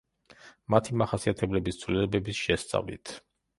მათი მახასიათებლების ცვლილებების შესწავლით.